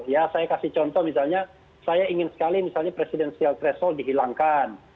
ya saya kasih contoh misalnya saya ingin sekali misalnya presidensial threshold dihilangkan